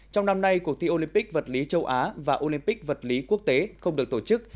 trong năm nay cuộc thi olympic vật lý châu á và olympic vật lý quốc tế không được tổ chức